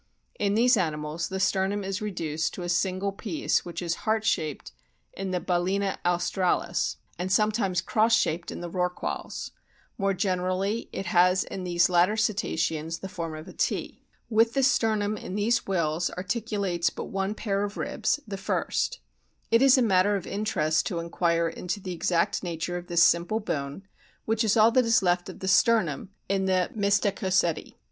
In these animals the sternum is reduced to a single piece, which is heart shaped in the Balcsna australis, and sometimes cross shaped in the Rorquals ; more generally it has in these latter Cetaceans the form of a T. With the sternum in these whales articu 46 A BOOK OF WHALES lates but one pair of ribs, the first. It is a matter of interest to inquire into the exact nature of this simple bone, which is all that is left of the sternum in the Mystacoceti.